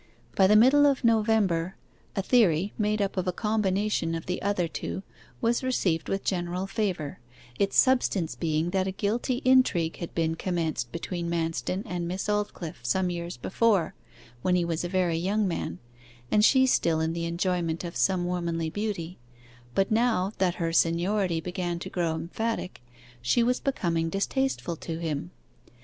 By the middle of November, a theory made up of a combination of the other two was received with general favour: its substance being that a guilty intrigue had been commenced between Manston and Miss Aldclyffe, some years before, when he was a very young man, and she still in the enjoyment of some womanly beauty, but now that her seniority began to grow emphatic she was becoming distasteful to him.